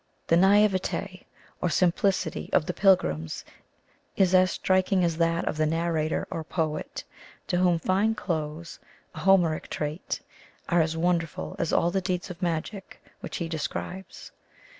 The naivete or simplicity of the pilgrims is as striking as that of the narrator or poet, to whom fine clothes a Homeric trait are as wonderful as all the deeds of magic which he describes.